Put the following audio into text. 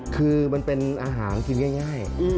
คือมันเป็นอาหารกินง่าย